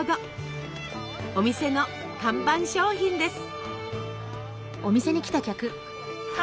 お店の看板商品です。